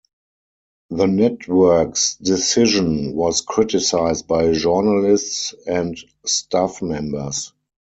The network's decision was criticized by journalists and staff members.